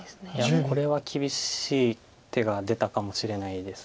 これは厳しい手が出たかもしれないです。